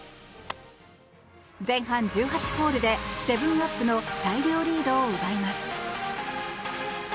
前半１８ホールで７アップの大量リードを奪います。